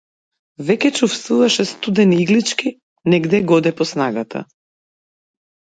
Веќе чувствуваше студени иглички негде-годе по снагата.